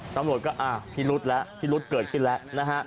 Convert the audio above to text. ตำรวจก็อ่าพิรุธแล้วพิรุธเกิดขึ้นแล้ว